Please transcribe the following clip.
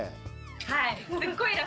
はい。